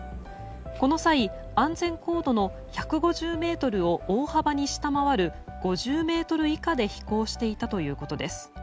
この際、安全高度の１５０ｍを大幅に下回る５０ｍ以下で飛行していたということです。